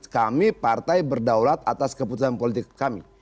kami partai berdaulat atas keputusan politik kami